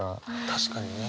確かにね。